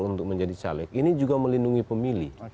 untuk menjadi caleg ini juga melindungi pemilih